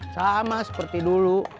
sama seperti dulu